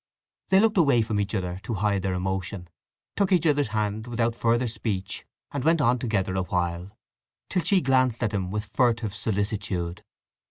They looked away from each other to hide their emotion, took each other's hand without further speech, and went on together awhile, till she glanced at him with furtive solicitude.